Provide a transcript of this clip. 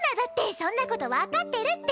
そんなこと分かってるって。